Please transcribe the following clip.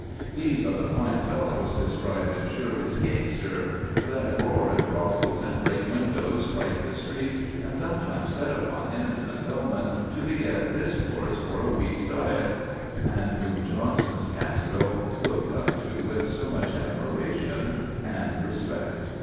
These are the fine fellows described in Shirley's "Gamester,"— "that roar In brothels, and break windows, fright the streets, And sometimes set upon innocent bell men to beget Discourse for a week's diet," and whom Jonson's Kastril looked up to with so much admiration and respect.